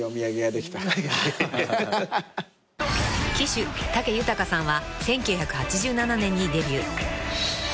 ［騎手武豊さんは１９８７年にデビュー］